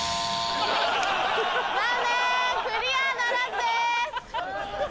残念クリアならずです。